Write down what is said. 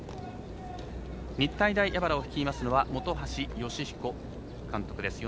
日体荏原を率いますのは本橋慶彦監督です。